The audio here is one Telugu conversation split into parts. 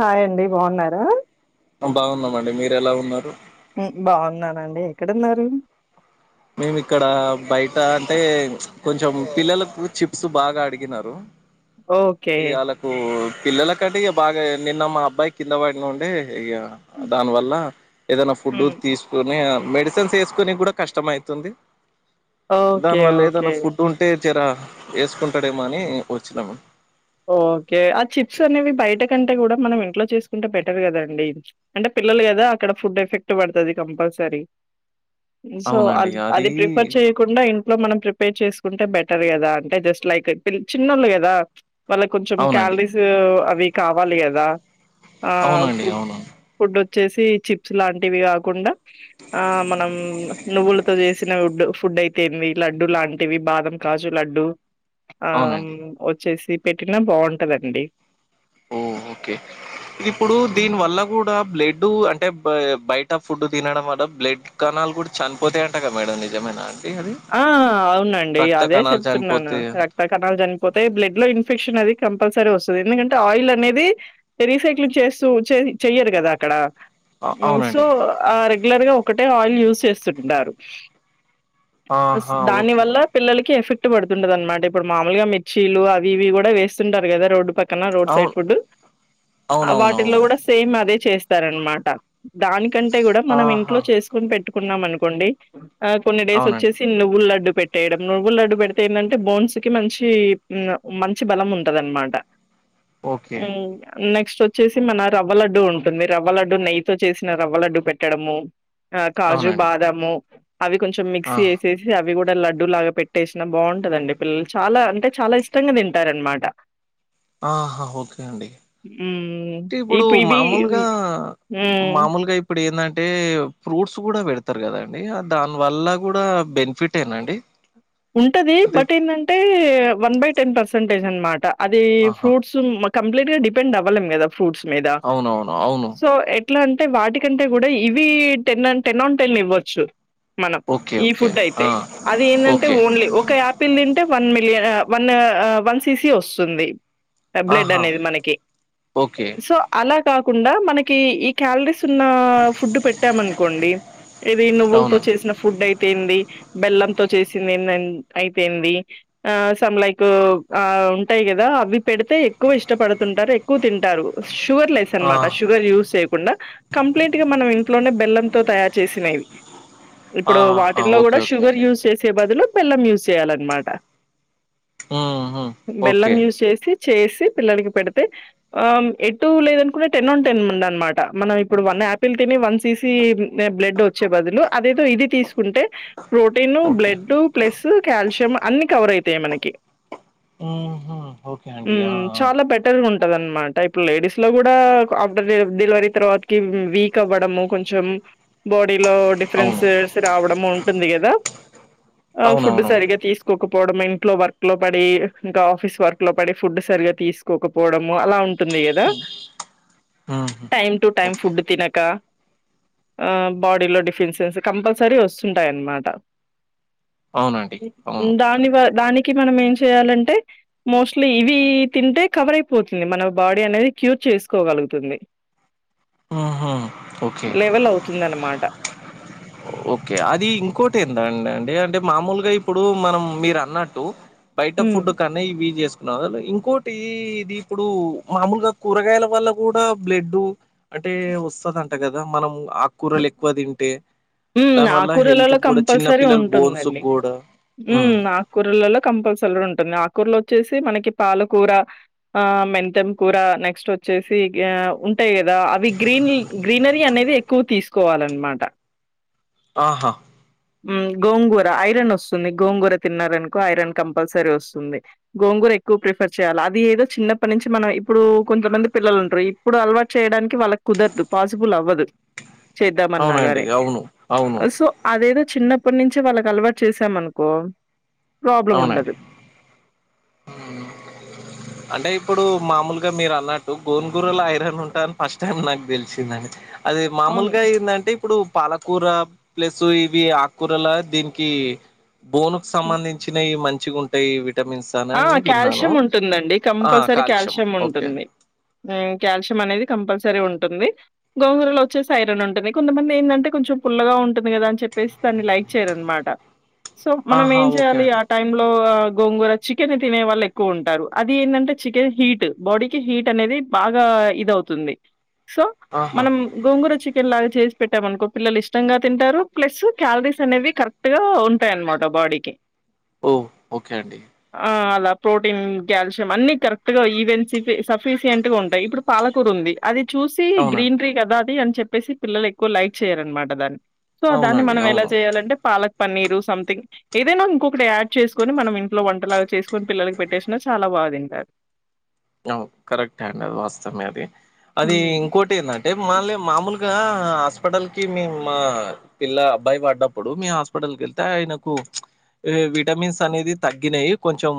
హాయ్ అండి బాగున్నారా? బాగున్నామండి మీరు ఎలా ఉన్నారు? బాగున్నానండి ఎక్కడున్నారు? మేమి ఇక్కడ బయట అంటే ప్చ్ కొంచెం పిల్లలకు చిప్స్ బాగా అడిగినారు ఓకే ఇగ వాళ్ళకు పిల్లలకంటే ఇక బాగా నిన్న మా అబ్బాయి కింద పడినండే ఇగ దాని వల్ల ఏదైనా ఫుడ్ హ్మ్ తీసుకొని మెడిసిన్స్ వేసుకునికి కూడా కష్టమై తుంది ఓకే దాని వల్ల ఓకే ఏదైనా ఫుడ్ ఉంటే జరా వేస్కుంటాడేమో అని వచ్చినాము ఓకే ఆ చిప్స్ అనేవి బయట కంటే కూడా మనం ఇంట్లో చేసుకుంటే బెటర్ కదండి అంటే పిల్లలు కదా అక్కడ ఫుడ్ ఎఫెక్ట్ పడతది కంపల్సరీ ఉమ్ సో అ అది ప్రిఫర్ చేయకుండా ఇంట్ లో మనం ప్రిపేర్ చేసుకుంటే బెటర్ కదా అంటే జస్ట్ లైక్ చిన్నోళు కదా? వాళ్ళకి కొంచెం అవునండి క్యాలరీస్ అవి కావాలి కదా? ఆ అవునండి ఫుడ్ అవును ఫుడ్ వచ్చేసి చిప్స్ లాంటివి కాకుండా ఆ మనం నువ్వులతో చేసిన వుడ్ ఫుడ్ అయితేంది లడ్డూ లాంటివి బాదం కాజు లడ్డు ఆ అమ్ అవునండి వచ్చేసి పెట్టినా బాగుంటదండి ఓ ఓకే ఇప్పుడు హ్మ్. దీని వల్ల కూడా బ్లెడ్ అంటే బయట ఫుడ్ తినడం అట బ్లడ్ కణాలు కూడా చనిపోతాయంట కదా మేడం నిజమేనా? ఉమ్ ఆ అవునండి అదే చెప్తున్నాను. రక్త కణాలు చన్పోతే బ్లడ్ లో ఇన్ఫెక్షన్ అది కం పల్సరీ వస్తుది ఎందుకంటే ఆయిల్ అనేది రీసైక్లింగ్ చేస్తూ చేయ్ చెయ్యరు కదా అక్కడ అ ఊ సో అవునండి. ఆ రెగ్యులర్ గా ఒకటే ఆయిల్ యూస్ చేస్తుంటారు అస్ ఆహా! దాని ఓకే. వల్ల పిల్లలకి ఎఫె ట్ పడుతుంటది అనమాట ఇప్పుడు మామూలుగా మిర్చీలు అవి ఇవి కూడా వేస్తుంటారు కదా రోడ్డు ప క్కన రోడ్ సైడ్ అవును. ఫుడ్ ఆ వాటిల్లో అవునవునవును. కూడా సేమ్ అదే చేస్తారనమాట దానికంటే గూడా మనం ఇంట్లో ఆహా! చేసుకొని పెట్టుకున్నాం అనుకోండి ఆ కొన్ని డేసు అవునండి. నువ్వుల లడ్డు పెట్టేయడం నువ్వుల లడ్డు పెడితే ఏందంటే బోన్సు కి మంచి మంచి బలం ఉంటదన్ మాట ఓకే. స్ట్ వచ్చేసి మన రవ్వ లడ్డు ఉంటుంది రవ్వలడ్డు నెయ్యితో చేసిన రవ్వలడ్డు పెట్టడము ఆ కాజు అవునండి. బాదాము అవి కొంచెం ఆ! తేసేసి అవి గూ దా లడ్డూ లాగా పెట్టేసినా బావుంటదండి పిల్లలు చాలా అంటే చాలా ఇష్టంగా తింటారనమాట ఆహా ఓకే అండి హ్మ్. టి ఇప్పుడు ఇవి మామూలుగా హ్మ్. మామూలుగా ఇప్పుడు ఏందం టే ఫ్రూట్స్ గూడా పెడతారు కదండి దాని వల్ల గూడా బెనిఫిట్ ఏనా అండి ఉంటది అంటే బట్ ఏందంటే వన్ బై టెన్ పర్సంటేజ్ అనమాట అది ఆహా! ఫ్రూట్స్ ఉమ్ కంప్లీట్ గా డిపెండ్ అవ్వలేం గదా ఫ్రూట్స్ మీద అవునవును అవును సో ఎట్లన్ టే వాటికంటే గూడా ఇవి టెన్ టెన్ ఆన్ టెన్ ఇవ్వచ్చు మనం ఓకే ఈ ఓకే ఫుడ్ ఆ అయితే అది ఏందన్ టే ఓకే ఓన్లీ ఒక యాపిల్ తింటే వన్ మిలియ ఆ వన్ ఆ ఆ వన్ సి సి వస్తుంది టబ్లెడ్ ఆహా అనేది మనకి ఓకే సో అలా కాకుండా మనకి ఈ క్యాలరీస్ తున్న ఫుడ్ పెట్టాం అనుకోండి ఇది నువ్వులతో అవునండి చేసిన ఫుడ్ అయితే ఏంది బెల్లం తో చేసింది ఏందన్ అయితే ఏంది ఆ సమ్ లైక్ ఆ ఉంటాయి గదా అవి పెడితే ఎక్కువ ఇష్టపడుతుంటారు ఎక్కువ తింటారు షుగర్ లెస్ ఆ అనమాట షుగర్ యూస్ చేయకుండా కంప్లీట్ గా మనం ఇంట్లోనే బెల్లంతో తయారు చేసినేవి ఇప్పుడు ఆహా వాటిల్లో ఓకే గూడా ఓకే షుగర్ అండి యూస్ చేసే బదులు బెల్లం యూస్ చేయాలన్నమాట ఉహు బెల్లం ఓకే యూస్ చేసి చేసి పిల్లలకి పెడితే ఆం ఎటూ లేదనుకుంటే టెన్ ఆన్ టెన్ ఉండ్ అనమాట మనం ఇప్పుడు వన్ ఆపిల్ తిని వన్ సి సి బ్లడ్ వచ్చే బదులు అదేదో ఇది తీసుకుంటే ప్రోటీను బ్లె ఓకే ప్లస్ కాల్షియం అన్నీ కవర్ అయితాయి మనకి ఉహు ఓకే అండి ఉమ్ ఆ ఆ చాలా బెటర్ ఉన్ టది అనమాట ఇప్పుడు లేడీస్ లో గూడా ఆఫ్టర్ డెలివరీ తర్వాతకి వీక్ అవ్వడము కొంచెం బాడీలో అవును డిఫరెన్సు సె రావడం ఉంటుంది గదా ఆ ఫుడ్ అవునవును సరిగ్గా తీసుకో కోకపోవడము ఇంట్లో వర్క్ లో పడి ఇంకా ఆఫీస్ వర్క్ లో పడి ఫుడ్ సరిగ్గా తీసుకోకపోవడము అలా ఉం టుంది గదా ఉహు time to time okay food తినక ఆ బాడీలో డిఫిన్సెన్స్ కంపల్సరీ వస్తుంటాయన్నమాట అవునండి అవును ఉమ్ దాని కరెక్ట్ గా దాని కి మనం ఏం చేయాలంటే మోస్ట్లీ ఇవి తింటే కవర్ అయిపోతుంది మన బాడీ అనేది క్యూర్ చేసుకోగలుగుతుంది ఉహు ఓకే లెవెల్ అవుతుంది అనమాట ఓకే అది ఇంకోటి ఏందండి అండి అంటే మామూలుగా ఇప్పుడు మనం మీరు అన్నట్టు బయట హ్మ్. ఫుడ్ కన్నా ఇవి చేస్ ఇంకోటి ఇది ఇప్పుడు మామూలుగా కూరగాయల వల్ల గూడా బ్లడ్డు అంటే వస్తదంట గదా మనం ఆకుకూరలు ఎక్కువ తింటే మ్ దానివల్ల హెల్త్ ఆకుకూరలలో కూడా చిన్న కంపల్సరీ పిల్లల బోన్స్ ఉంటుందండి కూడా హ్మ్. మ్ ఆకుకూర్లలో కంపల్సరీ ఉంటుంది ఆకూర్లో వచ్చి మనకి పాలకూర ఆ మెంతెం కూర నెక్స్ట్ వచ్చేసి ఉంటాయి గదా అవి గ్రీన్ గ్రీనరీ అనేది ఎక్కువ తీసుకోవాలన్నమాట ఆహా గోంగూర ఐరన్ వస్తుంది గోంగూర తిన్నారనుకో ఐరన్ కంపల్సరీ వస్తుంది గోంగూర ఎక్కువ ప్రిఫర్ చేయాలి అది ఏదో చిన్నప్పటి నుంచి మనం ఇప్పుడు కొంతమంది పిల్లలు ఉంటరు ఇప్పుడు అలవాటు చేయడానికి వాళ్ళకు కుదరదు పాసిబుల్ అవ్వదు అవునండి. చేద్దామన్నాగాని అవును. అవును. సో అదేదో చిన్నప్పటి నుంచి వాళ్ళకి అలవాటు చేసాం అనుకో ప్రాబ్లం అవునండి. ఉండదు [inaudible] హ్మ్. అంటే ఇప్పుడు మామూలుగా మీరు అన్నట్టు గోంగూర ల ఐరన్ ఉంటాదని ఫస్ట్ టైం నాకు తెలిసిందండి అది అవును. మామూలుగా ఏందంటే ఇప్పుడు పాలకూర ప్లస్ ఇవి ఆకుకూరల దీనికి బోను కు హ్మ్. సంబంధించినవి మంచిగా ఉంటయి విటమిన్ ఆ కాల్షియం ఉంటుందండి ఆ కంపల్సరీ కాల్షియం ఓకే ఉంటుంది కాల్షియం అనేది కంపల్సరీ ఉం టుంది గోంగురలో వచ్చేసి ఐరన్ ఉంటుంది కొంతమంది ఏంటంటే కొంచెం పుల్లగా ఉంటుంది గదాని చెప్పసి దాన్ని లై ఇచ్చారనమాట సో మనం ఆహా ఏం ఓకే చేయాలి ఆ అండి టైమ్ లో గోంగూర చికెన్ తినే వాళ్ళు ఎక్కువ ఉంటారు అది ఏంటంటే చికెన్ హీట్ బాడీకి హీట్ అనేది బాగా ఇద తుంది సో ఆహా మనం గోంగూర చి కెన్ లాగా చేసి పెట్టామ అనుకో పిల్లలు ఇష్టంగా తింటారు ప్లస్ క్యాలరీస్ అనేవి కరెక్ట్ గా ఉంటాయన్నమాట బాడికి ఓ ఓకే అండి ఆ అలా ప్రోటీన్ కాల్షియం అన్ని కరెక్ట్ గా ఈవెం సఫిషిషింట్ గా ఉంటాయి ఇప్పుడు పాలకూర ఉంది అది చూసి అవునండి గ్రీనరీ గదా అది అని చెప్పేసి పిల్లలు ఎక్కువ లైట్ చేయారనమాట దాన్ని సో దాన్ని అవునండి మనం ఎలా అవును చేయాలంటే పాలక్ పన్నీరు సంథింగ్ ఏదైనా ఇంకొకటి యాడ్ చేసుకొని మనం లో వంటలాగా చేసుకుని పిల్లలకి పెట్టేసినా చాలా బాగా తింటారు కరెక్ట్ అండి అది వాస్తవమే అది అది హ్మ్. ఇంకోటి ఏంటంటే మళ్ళి మామూలుగా ఇగా హాస్పిటల్ కి మే మా పిల్ల అబ్బాయి పడ్డ ప్పుడు మీ హాస్పిటల్ క వెళ్తే ఆయనకు విటమిన్స్ అనేది తగ్గినయి కొంచెం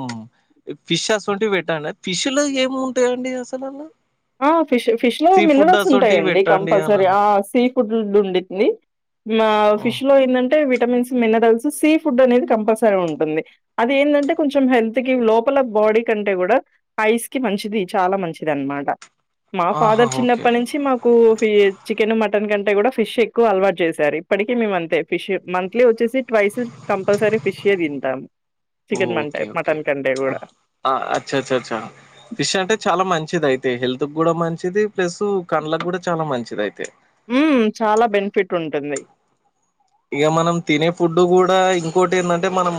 ఫిషెస్ ఉంటవి పెట్టండి ఫిష్ ఫిష్ లో ఏమి ఉంటాయండి అసలు అల్లా ఆ ఫిష్ ఫిష్ లో మినరల్స్ ఉంటాయండి పెట్టండి అని కంపల్సరీ ఆ అన్నారు. సీ ఫుడ్ ఉండింది మా హ్మ్. ఫిష్ లో ఏందంటే వి విటమిన్స్ మినరల్స్ సీ ఫుడ్ అనేది కంపల్సరీ ఉంటుంది అది ఏంటంటే కొంచెం హెల్త్ కి లోపల బాడీ కంటే గూడా ఐస్ కి మంచిది చాలా మంచిది అనమాట మా ఆహా! Father okay. చిన్నప్పటి నుంచి మాకు ఫ చికెన్ మటన్ కంటే ఫిష్ ఎక్కువ అలవాటు చేశారు ఇప్పటికీ మే అంతే ఫిష్ మంత్లీ వచ్చేసి ట్స్ కంపల్సరీ ఫిష్ తింటాం ఓ ఓకే ఓకే అచ్చ అచ్చా అచ్చా ఫిష్ అంటే చాలా మంచిది అయితే హెల్త్ హెల్త్ గూడా మంచిది ప్లస్ కడ్లకు గూడా చాలా మంచిది అయితే ఉమ్ చాలా బెనిఫిట్ ఉంటుంది ఇగా మనం తినే ఫుడ్డు గూడా ఇంకోటి ఏంటంటే మనం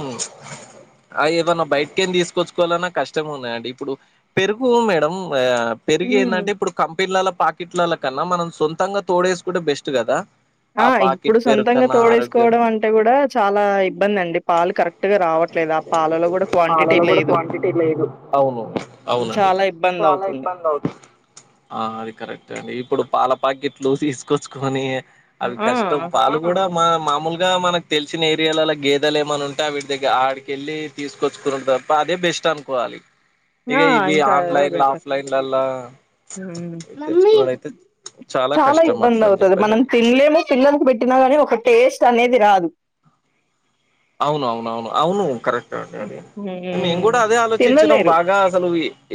ఆ ఏదన్న బయట్కేన్ తీసుకొచ్చుకోవాలన్న కష్టం ఉన్నయండి ఇప్పుడు పెరుగు మేడం పా పెరుగు హ్మ్. ఏందంటే ఇప్పుడు కంపిన్లల్ల పాకిట్లల కన్నా మనం సొంతంగా తోడేసుకుటే బెస్ట్ గదా ఆ ఇప్పుడు సొంతంగ తోడేసుకోవడం అంటే గూడా చాలా ఇబ్బంది అండి పాలు కరెక్ట్ గా రావట్లేదు ఆ పాలలో గూడ క్వాంటి లల్ల క్వాంటిటీ లేదు చాలా చాలా ఇబ్బందవుతుంది. ఇబ్బంది అవుతు ఆ అది కరెక్ట్ అండి ఇప్పుడు పాల పాకెట్లు తీసుకొచ్చుకోనీ అవి ఆ! కష్టం పాలు కూడా మా మామూలుగా మనకు తెలిసిన ఏరియాలల గేదెలు ఏమన ఉంటే అవిట్ దగ్గ ఆడికెళ్ళీ తీసుకొచ్చుకునం పప్ప అదే బెస్ట్ అనుకోవాలి ఇగ ఆ! ఇవీ ఇంకా అదే ఆన్లైన్ల బెటర్. ఆఫ్లైన్లలా హ్మ్. మమ్మీ. తెచ్చుకునుడైతే చాలా ఇబ్బంది అవుతది మనం తిన్లేము పిల్లలకి బెట్ పెట్టినా గాని ఒక టేస్ట్ అనేది రాదు అవునవునవును అవును కరెక్ట్ [unintelligible] మేమ్ హ్మ్. గూడా అదే ఆలోచిచ్చనం తినలేరు. బాగా అసలు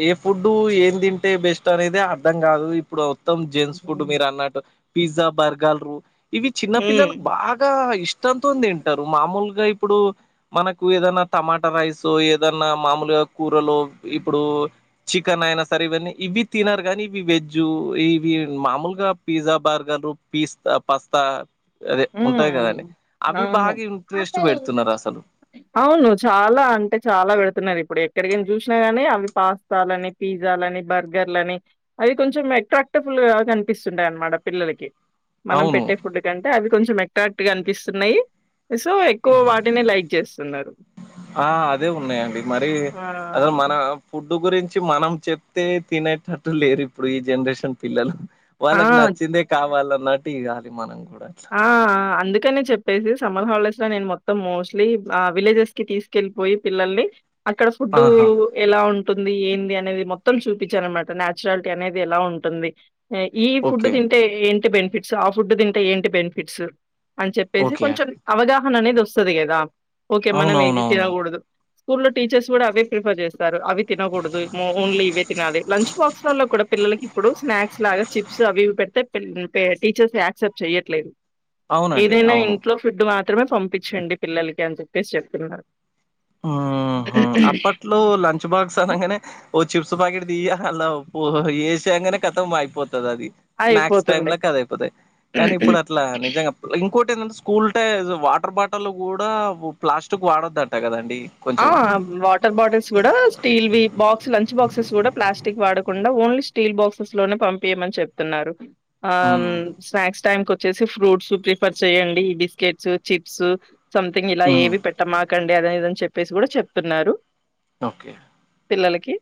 ఏ ఫుడ్డు ఏం తింటే బెస్ట్ అనేదే అర్థం గాదు ఇప్పుడు మొత్తం జెంట్స్ ఫుడ్ హ్మ్. మీరు అన్నట్టు పిజ్జా బర్గర్లు ఇవి చిన్న పిల్లలు హ్మ్. బాగా ఇష్టంతోన్ దింటరు మామూలు గ ఇప్పుడు మనకు ఏదన టమాటా రైస్ ఏదన్నా మామూలుగా కూరలో ఇప్పుడు చికెన్ అయినా సరే ఇవన్ని ఇవ్వి తినరు గానీ ఇవి వెజు ఇవి మామూలుగా పిజ్జా బర్గర్. రు పీస్తా పాస్తా అదే ఉంటాయ్ గదండి అవి అవును. బాగా ఇంట్రెస్ట్ పెడుతున్నారు అసలు అవును చాలా అంటే చాలా వెడుతున్నారు ఇప్పుడే కడిగన్ చూసినా గానీ అవి పాస్తాలని, పిజ్జాలని, బర్గర్లని, అవి కొంచెం అట్రాక్టబుల్. [unintelligible] కన్పిస్సుందన్మాట పిల్లలకి మనం అవును పెట్టే ఫుడ్ కాన్ చు నెట్టాక్ట్గ అనిపిస్తున్నయి సో ఎక్కువ వాటినే లైక్ చేస్తున్నారు ఆ అదే ఉన్నయండి మరీ అదో మన ఫు టు గురించి మనం చెప్తే తినేటట్టు లేరు ఇప్పుడు ఈ జనరేషన్ పిల్లలు వాళ్ళక్ ఆ! నచ్చిందే కావాలన్నట్టు ఇయ్యాలి మనం కూడ ఆఆ అందుకనే చెప్పేసి సమ్మర్ హాల్డేస్ సో నేను మొత్తం మోస్ట్లీ ఆ విలేజెస్ కి తీసుకెళ్ళిపోయి పిల్లల్ని అక్కడ ఫుడ్డూ ఆహా ఎలా ఉన్ టుంది ఏంది అనేది మొత్తం చూపిచ్చాన్ అనమాట నాచురాలిటీ అనేది ఎలా ఉంటుంది ఈ ఫుడ్ ఓకే తింటే ఏంటి బెనిఫిట్స్ ఆ ఫుడ్ తింటే ఏంటి బెనిఫిట్స్ అన్ చెప్పేసి ఓకే కొంచెం అవగాహన అనేది వస్తది గదా ఓకే మనం ఏది అవునవునవును తినగూడదు స్కూల్లో టీచర్స్ గూడా అవే ప్రిఫర్ జేస్తారు అవి తినకూడదు, ఓన్లీ ఇవే తినాలి లంచ్ బాక్స్ లల్ల కూడ. పిల్లలకి ఇప్పుడు స్నాక్స్ లాగా చిప్స్ అవివి పెడ్తే [unintelligible] టీచర్స్ యాక్సెప్ట్ చెయ్య అవునండి ఏదైనా అవును ఇంట్లో ఫుడ్ మాత్రమే పంపిచ్చండి పిల్లలకి అని చెప్పేసి చెప్తున్నారు ఊహూ అప్పట్లో లంచ్ బాక్స్ అనంగనే ఓ చిప్స్ పాకెట్ దీయ అల్ల పో ఏసేయంగనే కతం అయిపో తది అది స్నాక్స్ టైమ్ అయిపోతుండే లాక్ అది అయిపోతది కానీ ఇప్పుడు అట్లా నిజంగ ఇంకో ఏందంటే స్కూల్ టైస్ వాటర్ బాటల్లు గూడా ప్లాస్టిక్ వాడొద్దట గదండి ఆ వాటర్ బాటిల్స్ గూడా స్టీల్ వి బాక్స్ లంచ్ బాక్సెస్ గూడా ప్లాస్టిక్ వాడకున్ ఉండే ఓన్లీ స్టీల్ బాక్సెస్ లోనే పంపియమన్ చెప్తున్నారు ఆమ్ మ్ స్నాక్స్ టైం కు చ్చేసి ఫ్రూట్స్ ప్రిఫర్ చేడి బిస్కెట్స్ చిప్స్ సంథింగ్ ఇలా మ్ ఏవి పెట్టమాక్ టండి అదా ఇదన్ చెప్పేసి గూడా చెప్తున్నారు ఓకే పిల్లలకి.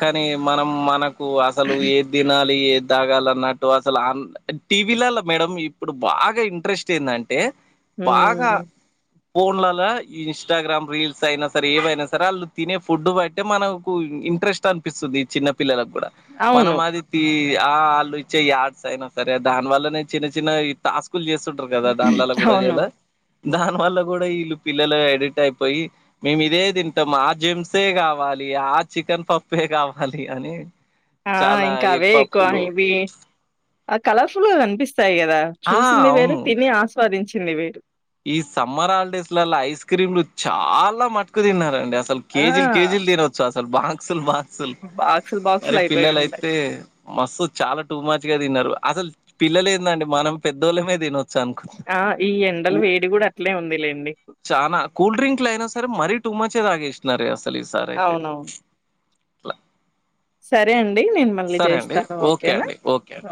కానీ మనం మనకు అసలు ఏది తినాలి ఏ తాగాలన్నట్టు అసలు టీవీలలో మేడం ఇప్పుడు బాగా ఇంట్రెస్ట్ ఏంద తే బాగా హ్మ్ ఫోన్లలలా ఇన్స్టాగ్రామ్ రీల్స్ అయినా సరే ఏమైనా సరే రాలు తినే ఫుడ్ బట్టి మనకు ఇంట్రెస్ట్ అనిపిస్తుంది చిన్న పిల్లలకు కూడా మనం అవును. అది తి ఆ వాళ్ళు ఇచ్చే యార్డ్స్ అయినా సరే దాని వల్ల నేను చిన్న చిన్న ఇ టాస్క్ లు చేస్తుంటారు కదా దాన్లలో కూడా అవును. ఇయాలా దాని వల్ల కూడా వీళ్ళు పిల్లలు అడిక్ట్ అయిపోయి మేము ఇదే ది టాం మా జేమ్సే కావాలి ఆ చికెన్ పప్పే కావాలి అని ఆ చాలా ఇంకా ఎగ్ అవే ఎక్కువ పప్పులు ఇవి ఆ కలర్ఫుల్ గా కనిపిస్తాయి కదా ఆ చూసింది వేరు అవును తిని ఆస్వాదించింది వేరు ఈ సమ్మర్ హాలిడేస్ లల్లా ఐస్ క్రీమ్ లు చాలా మటుకు తిన్నారండి అసలు ఆ! కేజీలు కేజీలు తినవచ్చు అసలు బాక్సులు బా స్సులు బాక్సులు, బాక్సులు మరి అయిపోయి పిల్లలు ఉంటాయి. అయితే మస్త్ చాలా టూ మాచ్చ్గా తిన్నారు అసలు పిల్లలే ఏందండి మనం పెద్దోళ్ళమే తినొ ఆ ఈ ఎంత కూ చానా కూల్ డ్రింక్లు అయినా సరే మరీ టూ మచ్ మంచిగా తగేసినారే అసలు ఈ సారి అయితే అవునవును. అట్లా సరే అండి నేను మళ్ళీ చేస్తాను ఓకే ఓకేనా అండి ఓకే అండి.